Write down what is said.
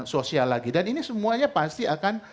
sosial lagi dan ini semuanya pasti akan